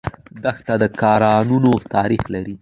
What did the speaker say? دښته د کاروانونو تاریخ لري.